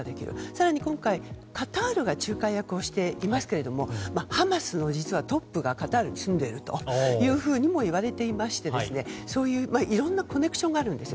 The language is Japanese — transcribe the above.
更に今回、カタールが仲介役をしていますけれどもハマスのトップが実はカタールに住んでいるといわれていましてそういういろんなコネクションがあるんです。